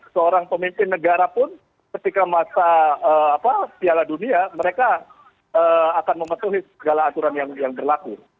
seorang pemimpin negara pun ketika masa piala dunia mereka akan mematuhi segala aturan yang berlaku